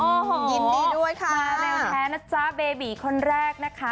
โอ้โหมาเร็วแท้นะจ๊ะเบบีคนแรกนะคะยินดีด้วยค่ะ